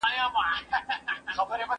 دا ستاسې ژوند دی.